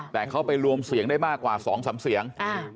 แต่เขาไปรวมเสียงได้มากกว่า๒๓เสียง